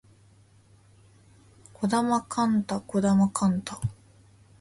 児玉幹太児玉幹太